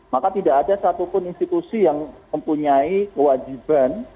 maka tidak ada satupun institusi yang mempunyai kewajiban